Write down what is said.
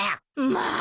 まあ！